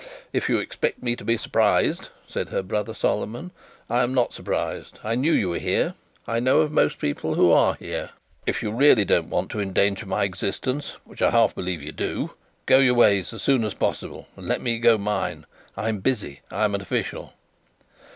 "If you expect me to be surprised," said her brother Solomon, "I am not surprised; I knew you were here; I know of most people who are here. If you really don't want to endanger my existence which I half believe you do go your ways as soon as possible, and let me go mine. I am busy. I am an official."